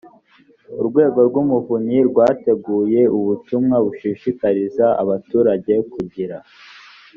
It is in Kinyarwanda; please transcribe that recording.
urwego rw umuvunyi rwateguye ubutumwa bushishikariza abaturage kugira